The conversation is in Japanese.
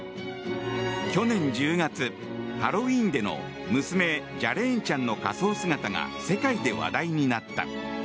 去年１０月、ハロウィーンでの娘ジャレーンちゃんの仮装姿が世界で話題になった。